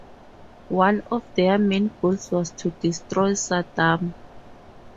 One of their main goals was to destroy Saddam.